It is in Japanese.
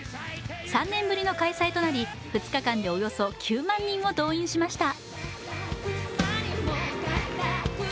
３年ぶりの開催となり２日間でおよそ９万人を動員しました。